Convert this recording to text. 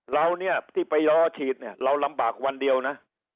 เรานี่ที่ไปรอฉีดเรารำบากวันเดียวนะ